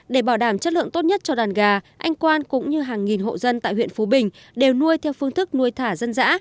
để bảo đảm chất lượng tốt nhất cho đàn gà anh quan cũng như hàng nghìn hộ dân tại huyện phú bình đều nuôi theo phương thức nuôi thả dân dã